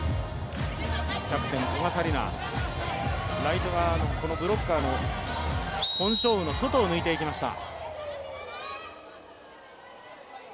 キャプテン、古賀紗理那、ライト側のブロッカーのコン・ショウウの外を抜いていきました。